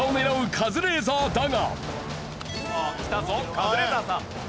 カズレーザーさん。